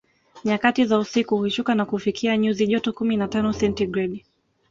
Nyakati za usiku hushuka na kufikia nyuzi joto kumi na tano sentigredi